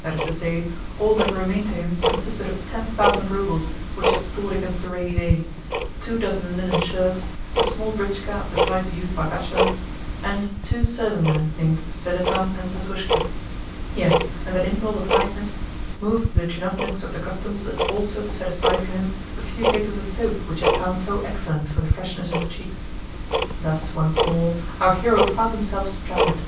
That is to say, all that remained to him consisted of ten thousand roubles which he had stored against a rainy day, two dozen linen shirts, a small britchka of the type used by bachelors, and two serving men named Selifan and Petrushka. Yes, and an impulse of kindness moved the tchinovniks of the Customs also to set aside for him a few cakes of the soap which he had found so excellent for the freshness of the cheeks. Thus once more our hero found himself stranded.